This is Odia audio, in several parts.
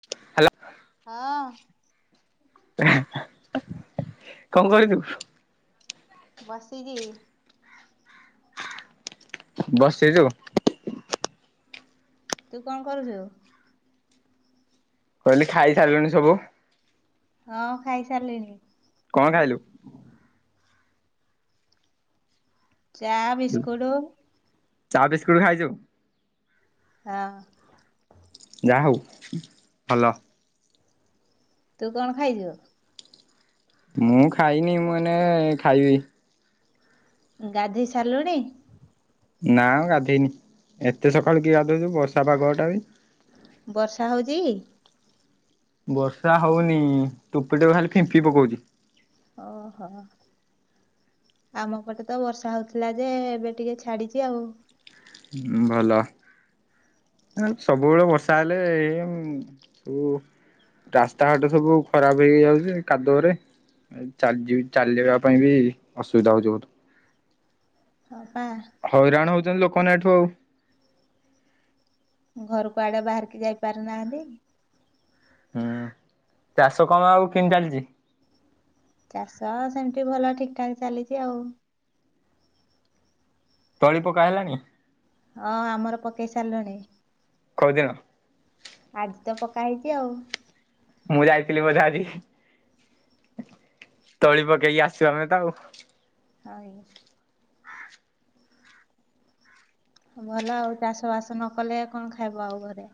ହ୍ୟାଲୋ। ହଁ। [inaudible] କଣ କରୁଚୁ? ବସିଚି। ବସିଚୁ। ତୁ କଣ କରୁଚୁ? କହିଲି ଖାଇ ସାରିଲୁଣି ସବୁ? ହଁ ଖାଇସାରିଲିଣି। କଣ ଖାଇଲୁ? ଚା ବିସ୍କୁଟୁ। ଚା ବିସ୍କୁଟୁ ଖାଇଚୁ। ହଁ। ଯାହା ହଉ ଭଲ। ତୁ କଣ ଖାଇଚୁ? ମୁଁ ଖାଇନି ମୁଁ ଏଇନା ଖାଇବି। ଗାଧେଇ ସାରିଲୁଣି? ନା ଗାଧେଇନି ଏତେ ସକାଳୁ କିଏ ଗଧୋଉଚି ବର୍ଷା ପାଗ ଟା ବି। ବର୍ଷା ହଉଚି? ବର୍ଷା ହଉନି ଟୋପେ ଟୋପେ ଖାଲି ଫିମ୍ପିଡ଼ି ପକୋଉଚି। ଓହୋ। ଆମ ପଟେ ତ ବର୍ଷା ହଉଥିଲା ଯେ ଏବେ ଟିକେ ଛାଡିଚି ଆଉ। ଭଲ। ସବୁବେଳେ ବର୍ଷା ହେଲେ ଏମ୍ କୁ ରାସ୍ତା ଘାଟ ସବୁ ଖରାପ ହେଇ ଯାଉଚି କାଦୁଅରେ ଏଚାଯିବି ଚାଲିବା ପାଇଁ ବି ଅସୁବିଧା ହଉଚି ବହୁତ। ହ ପା ହଇରାଣ ହଉଛନ୍ତି ଲୋକମାନେ ଏଠୁ ଆଉ ଘରୁ କୁଆଡେ ବାହାରିକି ଯାଇ ପାରୁନାହାନ୍ତି। ହୁଁ, ଚାଷ କାମ ଆଉ କିମିତି ଚାଲିଚି? ଚାଷ ସେମିତି ଭଲ ଠିକ୍ ଠାକ୍ ଚାଲିଚି ଆଉ। ତଳି ପକା ହେଲାଣି? ହଁ ଆମର ପକେଇ ସାରିଲୁଣି। କୋଉଦିନ? ଆଜି ତ ପକା ହେଇଛି ଆଉ। ମୁଁ ଯାଇଥିଲି ବୋଧେ ଆଜି ତଳି ପକେଇକି ଆସିଚୁ ଆମେ ତ ଆଉ ଆଭି ଭଲ ଆଉ ଚାଷ ବାସ ନ କଲେ କଣ ଖାଇବ ଆଉ ଘରେ।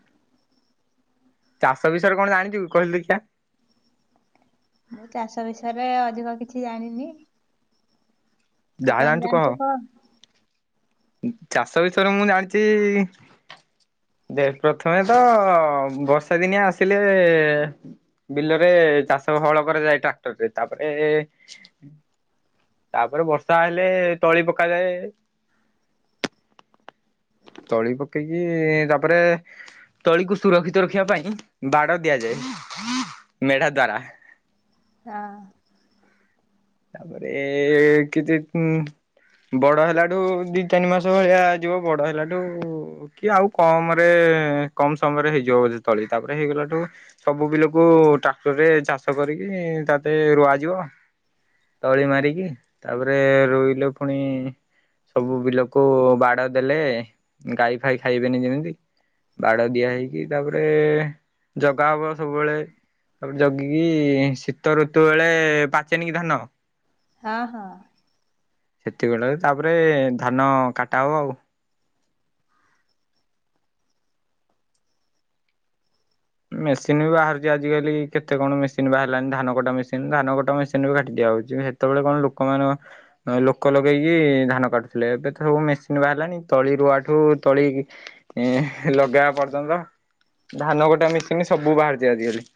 ଚାଷ ବିଷୟରେ କଣ ଜାଣିଚୁ କହିଲୁ ଦେଖିଆ? ମୁଁ ଚାଷ ବିଷୟରେ ଅଧିକ କିଛି ଜାଣିନି। ତୁ ଯାହା କଣ ଜାଣିଛୁ ଜାଣିଚୁ କହ? ଚାଷ ବିଷୟରେ ମୁଁ ଜାଣିଚି ଦେଖ ପ୍ରଥମେ ତ ବର୍ଷା ଦିନିଆ ଆସିଲେ ବିଲରେ ଚାଷ ହଳ କରାଯାଏ ଟ୍ରାକ୍ଟର ରେ, ତାପରେ ତାପରେ ବର୍ଷା ଆଇଲେ ତଳି ପକାଯାଏ। ତଳି ପକେଇକି ତାପରେ ତଳିକୁ ସୁରକ୍ଷିତ ରଖିବା ପାଇଁ ବାଡ଼ ଦିଆଯାଏ ମେଢା ଦ୍ଵାରା। ହଁ। ତାପରେ କିଛି ଉଁ ବଡ ହେଲାଠୁ ଦି ତାନି ମାସ ଭଳିଆ ଯିବ ବଡ ହେଲାଠୁ କି ଆଉ କମରେ କମ ସମୟରେ ହେଇଯିବ ବୋଧେ ତଳି ତାପରେ ହେଇଗଲାଠୁ ସବୁ ବିଲକୁ ଟ୍ରାକ୍ଟରରେ ଚାଷ କରିକି ତାତେ ରୁଆଯିବ। ତଳି ମାରିକି ତାପରେ ରୁଇଲେ ପୁଣି ସବୁ ବିଲକୁ ବାଡ଼ ଦେଲେ ଗାଈଫାଇ ଖାଇବେନି ଯେମିତି, ବାଡ ଦିଆହେଇକି ତାପରେ ଜଗା ହବ ସବୁବେଳେ। ତାପରେ ଜଗିକି ଶୀତ ଋତୁ ବେଳେ ପାଚେନି କି ଧାନ? ହଁ-ହଁ। ସେତିକି ବେଳେ ତାପରେ ଧାନ କାଟା ହବ ଆଉ। ମେସିନ ବି ବାହାରୁଛି ଆଜିକାଲି କେତେ କଣ ମେସିନ ବାହାରିଲାନି ଧାନ କଟା ମେସିନ ଧାନ କଟା ମେସିନ ବି କାଟି ଦିଆଯାଉଛି। ସେ ସେତେବେଳେ କଣ ଲୋକମାନଙ୍କ ଲୋକ ଲଗେଇକି ଧାନ କାଟୁଥିଲେ ଏବେ ତ ସବୁ ମେସିନ ବାହାରିଲାଣି ତଳି ରୁଆଠୁ ତଳି ଏଁ ଲଗେଇବା ପର୍ଯ୍ୟନ୍ତ, ଧାନକଟା ମେସିନି ସବୁ ବାହାରିଛି ଆଜିକାଲି।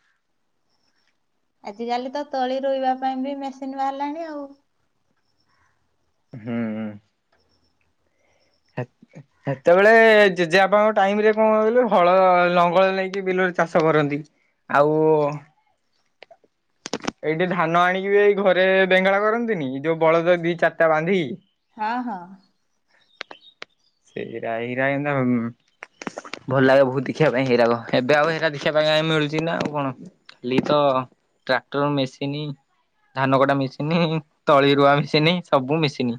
ଆଜିକାଲି ତ ତଳି ରୁଇଁବା ପାଇଁ ବି ମେସିନ୍ ବାହାରିଲାଣି ଆଉ। ହୁଁଉ। ହେତ୍ ସେତେବେଳେ ଜେଜେବାପାଙ୍କ ଟାଇମରେ କଣ କହିଲୁ ହଳ ଲଙ୍ଗଳ ନେଇକି ବିଲରେ ଚାଷ କରନ୍ତି। ଆଉ ଏଇଠି ଧାନ ଆଣିକି ବି ଏଇ ଘରେ ବେଙ୍ଗଳା କରନ୍ତିନି ଯୋଉ ବଳଦ ଦି ଚାରିଟା ବାନ୍ଧିକି। ହଁ-ହଁ। ସେଇରାଇରାଏନ୍ତ୍ ଭଲ ଲାଗେ ବହୁତ୍। ଦେଖିବା ପାଇଁ ହେଇରାକ ଏବେ ଆଉ ହେରା ଦେଖିବା ପାଇଁ ମିଳୁଛି ନା ଆଉ କଣ ଖାଲି ତ ଟ୍ରାକ୍ଟର ମେସିନି, ଧାନ କଟା ମେସିନି, ତଳିରୁଆ ମେସିନି ସବୁ ମେସିନି।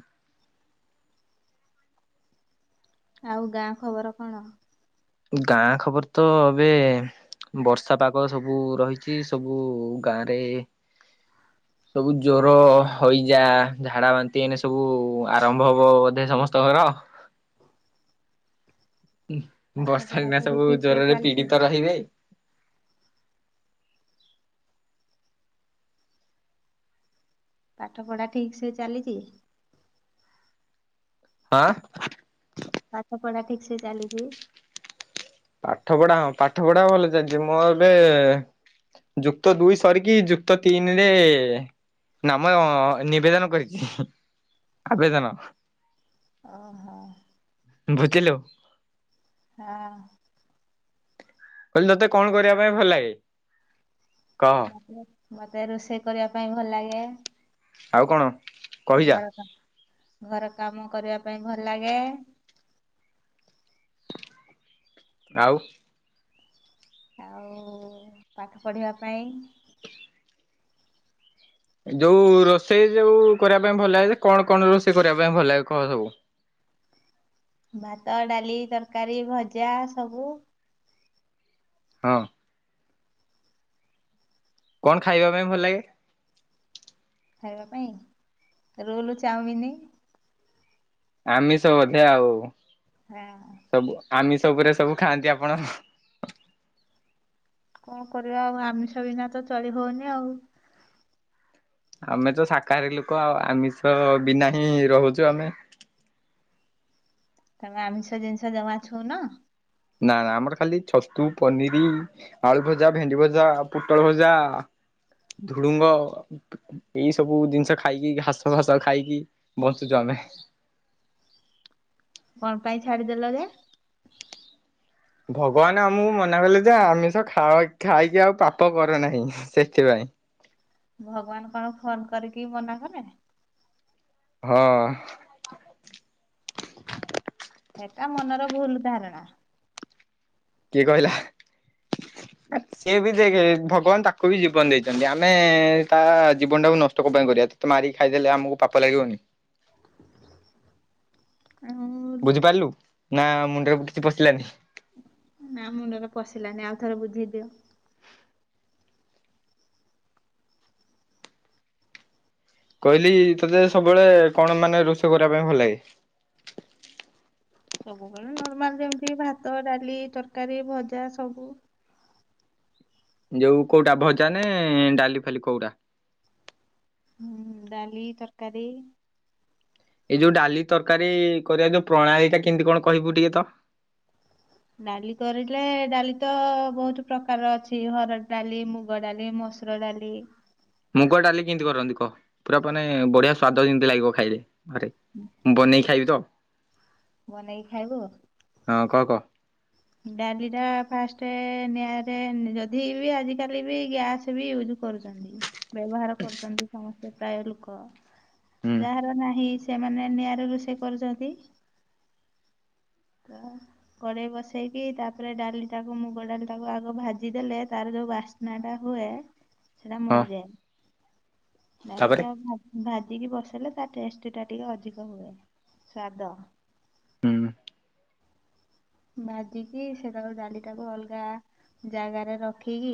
ଆଉ ଗାଁ ଖବର କଣ? ଗାଁ ଖବର ତ ଏବେ। ବର୍ଷା ପାଗ ସବୁ ରହିଛି ସବୁ ଗାଁରେ ସବୁ ଜୋର, ହଇଯା, ଝାଡା, ବାନ୍ତି ଏଇନେ ସବୁ ଆରମ୍ଭ ହବ ବୋଧେ ସମସ୍ତଙ୍କର। ପାଠ ବର୍ଷାଦିନେ ପଢାପଢି ସବୁ ଠିକ ରେ ଜରରେ ଚାଲିଛି ପୀଡିତ ରହିବେ। ପାଠପଢ଼ା ଠିକ୍ ସେ ଚାଲିଚି? ଆଁ। ପାଠପଢା ଠିକ୍ ସେ ଚାଲିଛି? ପାଠପଢା ହଁ ପାଠପଢା ଭଲ ଚାଲିଛି ମୁଁ ଏବେ ଯୁକ୍ତଦୁଇ ସରିକି ଯୁକ୍ତତିନିରେ ନାମ ନିବେଦନ କରିଛି ଆବେଦନ ଅହ। ବୁଝିଲୁ? ଆ। କହିଲ ତତେ କଣ କରିବା ପାଇଁ ଭଲ ଲାଗେ କହ? ମତେ ରୋଷେଇ କରିବା ପାଇଁ ଭଲଲାଗେ। ଆଉ କଣ କହିଯା ଘର କାମ ଘର କାମ କରିବା ପାଇଁ ଭଲ ଲାଗେ। ଆଉ ଆଉ ପାଠ ପଢ଼ିବା ପାଇଁ। ଯୋଉ ରୋଷେଇ ଯୋଉ କରିବା ପାଇଁ ଭଲ ଲାଗେ ଯେ କଣ କଣ ରୋଷେଇ କରିବା ପାଇଁ ଭଲ ଲାଗେ କହ ସବୁ ଭାତ, ଡାଲି, ତରକାରୀ, ଭଜା ସବୁ ହଁ। କଣ ଖାଇବାପାଇଁ ଭଲ ଲାଗେ? ଖାଇବା ପାଇଁ ରୋଲ, ଚାଉମିନି ଆମିଷ ବୋଧେ ଆଉ ହଁ। ସବୁ ଆମିଶ ଉପରେ ସବୁ ଖାଆନ୍ତି ଆପଣ। କଣ କରିବା ଆଉ ଆମିଷ ବିନା ତ ଚଳି ହଉନି ଆଉ ଆମେ ତ ଶାକାହାରୀ ଲୋକ ଆଉ ଆମିଷ ବିନା ହିଁ ରହୁଛୁ ଆମେ? ତମେ ଆମିଷ ଜିନିଷ ଜମା ଛୁଉନ? ନା ନା ଆମର ଖାଲି ଛତୁ ପନିରି ଆଳୁ ଭଜା, ଭେଣ୍ଡି ଭଜା, ପୋଟଳ ଭଜା, ଧୁଡୁଙ୍ଗ ଏଇ ସବୁ ଜିନିଷ ଖାଇକି ଘାସ ଭାସ ଖାଇକି ବଞ୍ଚୁଛୁ ଆମେ। କଣ ପାଇଁ ଛାଡିଦେଲ ଯେ? ଭଗବାନ ଆମକୁ ମନା କଲେ ଯେ ଆମିଷ ଖାଓ ଖାଇକି ଆଉ ପାପ କର ନାହିଁ ସେଥିପାଇଁ? ଭଗବାନ କଣ ଫୋନ୍ କରିକି ମନା କଲେ? ହଁ। ସେଟା ମନର ଭୁଲ୍ ଧାରଣା। କିଏ କହିଲା ସିଏ ବି ଦେଖେ ଭଗବାନ୍ ତାକୁ ବି ଜୀବନ ଦେଇଛି। ଯେମତି ଆମେ ତା ଜୀବନଟାକୁ ନଷ୍ଟ କଣ ପାଇଁ କରିବା ତତେ ମାରିକି ଖାଇଦେଲେ ଆମକୁ ପାପ ଲାଗିବନି? ଆ ହୁଁ ହୁଁ। ବୁଝିପାରିଲୁ ନା ମୁଣ୍ଡରେ କିଛି ପଶିଲାନି? ନା ମୁଣ୍ଡରେ ପଶିଲାନି ଆଉ ଥରେ ବୁଝେଇ ଦିଅ? କହିଲି ତୋତେ ସବୁବେଳେ କଣ ମାନେ ରୋଷେଇ କରିବା ପାଇଁ ଭଲ ଲାଗେ? ସବୁବେଳେ ନର୍ମାଲ୍ ଯେମିତି ଭାତ ଡାଲି ତରକାରୀ ଭଜା ସବୁ। ଯୋଉ କୋଉଟା ଭଜା ନେ ଡାଲି ଫାଲି କୋଉଟା? ଡାଲି ତରକାରୀ ଏଇ ଯୋଉ ଡାଲି ତରକାରୀ କରିବା ଯୋଉ ପ୍ରଣାଳୀ ଟା କେମିତି କଣ କହିବୁ ଟିକେ ତ? ଡାଲି କରିଲେ ଡାଲି ତ ବହୁତ ପ୍ରକାର ଅଛି ହରଡ ଡାଲି ମୁଗ ଡାଲି ମସ ସୂତ୍ର ଡାଲି- ମୁଗ ଡାଲି କେମିତି କରନ୍ତି କହ ପୁରା ମାନେ ବଢିଆ ସ୍ୱାଦ ଯେମିତି ଲାଗିବ ଖାଇଲେ ଆରେ? [unintelligible] ବନେଇକି ଖାଇବି ତ? ବନେଇକି ଖାଇବୁ। ହଁ କହ କହ? ଡାଲି ଟା ଫାଷ୍ଟ ନିଆଁରେ ଯଦି ବି ଆଜିକାଲି ବି ଗ୍ୟାସ ବି ୟୁଜ୍ କରୁଛନ୍ତି ବ୍ୟବହାର କରୁଛନ୍ତି ସମସ୍ତେ ପ୍ରାୟ୍ ଲୋକ ହୁଁ ଯାହାର ନାହିଁ ସେମାନେ ନିଆଁ ରେ ରୋଷେଇ କରୁଛନ୍ତି। ଆଉ କଡେଇ ବଶି ଠେଇକି ତାପରେ ଡାଲିଟାକୁ ମୁଗ ଡାଲିଟାକୁ ଆଗ ଭାଜିଦେଲେ ତାର ଯୋଉ ବାସ୍ନା ଟା ହୁଏ? ସେଟା ହଁ ମରିଯାଏ ଡ଼ାଲି ତାପରେ ଟା ଭାଜିକି ବସେଇଲେ ତା ଟେଷ୍ଟ୍ ଟା ଟିକେ ଅଧିକ ହୁଏ ସ୍ଵାଦ। ହୁଁ ଭାଜିକି ସେଟାକୁ ଡାଲିଟାକୁ ଅଲଗା ଜାଗାରେ ରଖିକି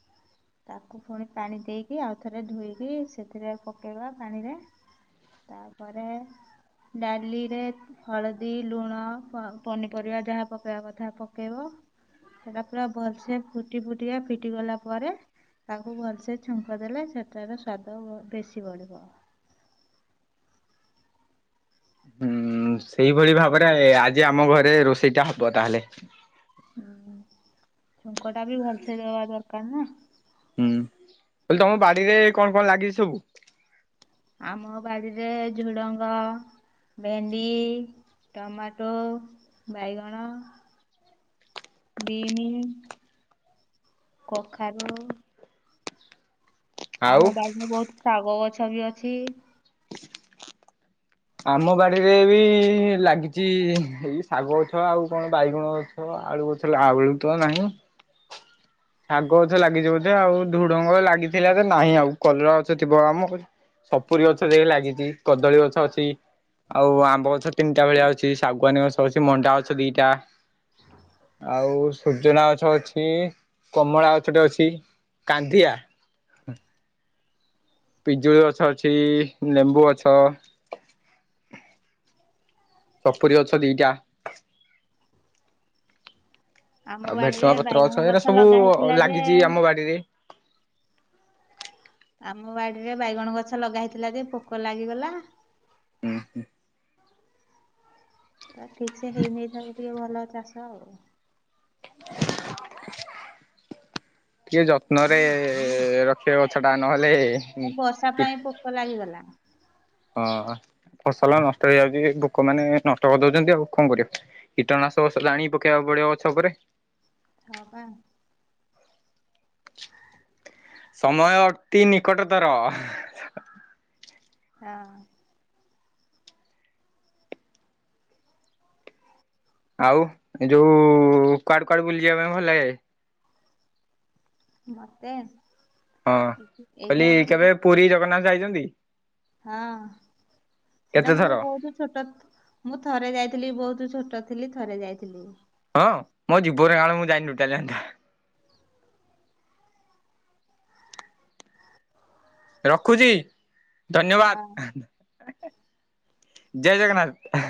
[inaudible] ତାକୁ ପୁଣି ପାଣି ଦେଇକି ଆଉ ଥରେ ଧୋଇକି ସେଥିରେ ପକାଇବା ପାଣିରେ। ତାପରେ ଡାଲିରେ ହଳଦୀ ଲୁଣ ପାଉ। ପନିପରିବା ଯାହା ପକେଇବା କଥା ପକେଇବ। ହେଲାପୁରା ଭଲସେ ଫୁଟି ଫୁଟିକା ଫିଟି ଗଲା ପରେ? ତାକୁ ଭଲସେ ଛୁଙ୍କ ଦେଲେ ସେଠାର ସ୍ୱାଦ ବେଶୀ ବଢ଼ିବ। ହୁଁ ସେଇଭଳି ଭାବରେ ଆଜି ଆମ ଘରେ ରୋଷେଇ ଟା ହବ ତାହେଲେ? ହୁଁ ଛୁଙ୍କ ଟା ବି ଭଲସେ ଦବା ଦରକାର ନା? ହୁଁ ତମ ବାଡିରେ କଣ କଣ ଲାଗିଛି ସବୁ? ଆମ ବାଡ଼ିରେ ଝୁଡ଼ଙ୍ଗ ଭେଣ୍ଡି ଟମାଟୋ ବାଇଗଣ ବିଇମି କଖାରୁ ଆଉ ଆମ ବାଡ଼ିରେ ବହୁତ୍ ଶାଗ ଗଛ ବି ଅଛି? [unintelligible] ଆମ ବାଡିରେ ବି ଲାଗିଛି ଏଇ ଶାଗ ଗଛ ଆଉ କଣ ବାଇଗଣ ଆଳୁ ଗଛ ଆଳୁ ନାହିଁ। ଶାଗ ଗଛ ଲାଗିଛି ବୋଧେ ଆଉ ଧୁଢଙ୍ଗ ଲାଗିଥିଲା ତ ନାହିଁ ଆଉ କଲରା ଗଛ ଥିବ କମ କ ସପୁରୀ ଗଛ ଯି ଲାଗିଛି କଦଳୀ ଗଛ ଅଛି ଆଉ ଆମ୍ବ ଗଛ ତିନିଟା ଭଳିଆ ଅଉଛି ଶାଗୁଆନୀ ଗଛ ଅଉଛି ମଣ୍ଡା ଗଛ ଦିଟା। ଆଉ ସୂଜନା ଗଛ ଅଛି କମଳା ଗଛ ଟେ ଅଛି। କାନ୍ଦିଆ। ପିଜୁଳି ଗଛ ଅଛି ଲେମ୍ବୁ ଗଛ। ସପୁରିୀ ଗଛ ଦିଇଟା। ଆମ ଆଉ ଭେରସୁଙ୍ଗା ବାଡିରେ ପତ୍ର ବାଇଗଣ ଏରା ଗଛ ସବୁ ଲଗା ହେଇଥିଲା ଯେ ଲାଗିଛି ଆମ ବାଡିରେ। ଆମ ବାଡିରେ ବାଇଗଣ ଗଛ ଲଗା ହେଇଥିଲା ଯେ ପୋକ ଲାଗିଗଲା। ହୁଁ ହୁଁ। ତ ଠିକ୍ ସେ [unintelligible] ଟିକେ ଭଲ ଚାଷ ଆଉ। ଟିକେ ଯତ୍ନରେ ରଖିବ ଗଛ ଟା ନ ହେଲେ ଆ ବର୍ଷା ପାଇଁ ପୋକ ଲାଗିଗଲା। ହଁ ଫସଲ ନଷ୍ଟ ହେଇଯାଉଛି ପୋକ ମାନେ ନଷ୍ଟ କରିଦଉଛନ୍ତି ଆଉ କଣ କରିବା। କୀଟନାଶକ ଔଷଧ ଆଣି ପକେଇବାକୁ ପଡିବ ଗଛ ଉପରେ। ହଁ ବା। ସମୟ ଅତି ନିକଟତର। ହଁ। ଆଉ, ଏଇ ଯୋଉ କୁଆଡେ-କୁଆଡେ ବୁଲି ଯିବା ପାଇଁ ଭଲ ଲାଗେ? ମୋତେ। ହଁ କହିଲି କେବେ ପୁରୀ ଜଗନ୍ନାଥ ଯାଇଛନ୍ତି? ହଁ। ସେଇଟା କେତେଥର? ମୁଁ ବହୁତ ଛୋଟ। ମୁଁ ଥରେ ଯାଇଥିଲି ବହୁତ୍ ଛୋଟ ଥିଲି ଥରେ ଯାଇଥିଲି। ହଁ। ମୋ ଜୀବନ ରାଣ ମୁଁ ଯାଇନି ଟୋଟାଲି ଜାଣିଚ। ରଖୁଚି ଧନ୍ୟବାଦ୍। ହଁ ଜୟ ଜଗନ୍ନାଥ।